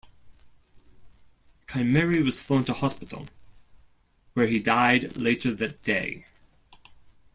Chimeri was flown to hospital, where he died later that day.